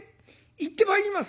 行ってまいります」。